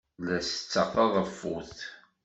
La setteɣ taḍeffut.